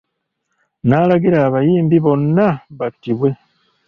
N'alagira abayimbi bonna battibwe.